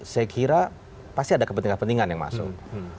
saya kira pasti ada kepentingan kepentingan yang masuk